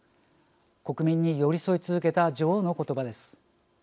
国民に寄り添い続けた女王の言葉です。